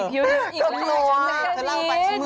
ก็กลัวอ่ะ